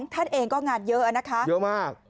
๒ท่านเองก็งานเยอะนะคะ